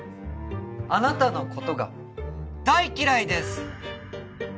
あなたのことが大嫌いです